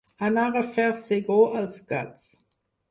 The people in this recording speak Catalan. Anar a fer segó als gats.